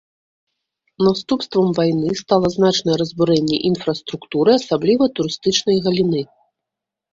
Наступствам вайны стала значнае разбурэнне інфраструктуры, асабліва турыстычнай галіны.